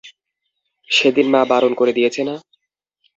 সেদিন মা বারণ করে দিয়েছে না?